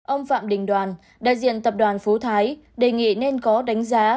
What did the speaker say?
ông phạm đình đoàn đại diện tập đoàn phú thái đề nghị nên có đánh giá